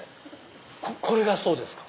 これがそうですか？